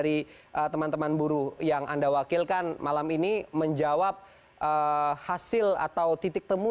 dari teman teman buruh yang anda wakilkan malam ini menjawab hasil atau titik temu